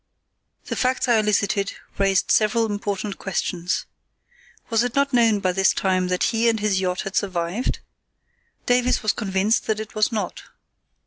The facts I elicited raised several important questions. Was it not known by this time that he and his yacht had survived? Davies was convinced that it was not.